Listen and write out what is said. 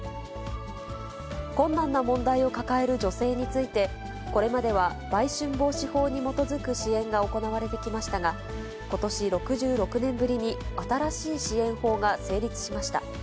困難な問題を抱える女性について、これまでは、売春防止法に基づく支援が行われてきましたが、ことし６６年ぶりに、新しい支援法が成立しました。